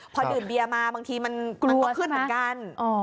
พอดื่มเบียร์มาบางทีมันกลัวขึ้นเหมือนกัน